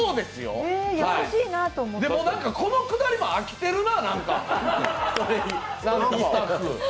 このくだりも飽きてるな、何か。